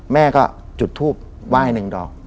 แม่ก็จุดทูบไหว้หนึ่งดอก